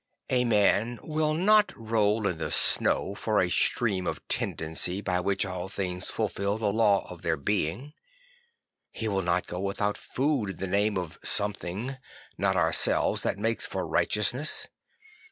A man will not roll in the sno\v for a stream of tendency by which all things fulfil the law of their being. He will not go without food in the name of something, not ourselves, that makes for righteousness.